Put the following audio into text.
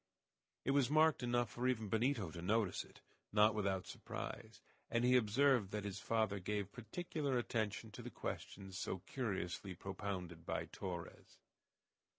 It was marked enough for even Benito to notice it, not without surprise, and he observed that his father gave particular attention to the questions so curiously propounded by Torres.